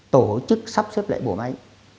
tổ chức sắp xếp lại bộ máy